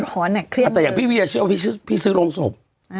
พี่บีริเฉียสพี่ซื้อโรงศพ